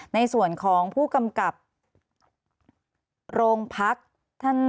ในส่วนของผู้กำกับโรงพัก